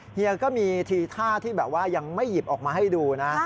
เฮียก็มีทีท่าที่แบบว่ายังไม่หยิบออกมาให้ดูนะ